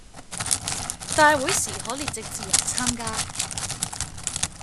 大會時可列席自由參加